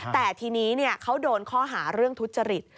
แต่ทีนี้เขาโดนข้อหาเรื่องทุจริต